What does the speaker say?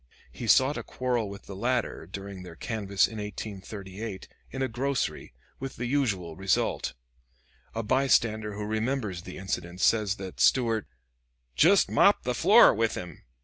He sought a quarrel with the latter, during their canvass in 1838, in a grocery, with the usual result. A bystander who remembers the incident says that Stuart "jest mopped the floor with him."